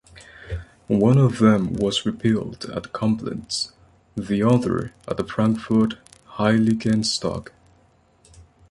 One of them was rebuilt at Koblenz, the other at Frankfurt-Heiligenstock.